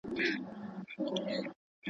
بهرنۍ پالیسي د سیمه ییز ثبات لپاره بنسټیزه ده.